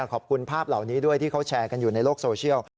ขอบคุณภาพเหล่านี้ด้วยที่เขาแชร์กันอยู่ในโลกโซเชียล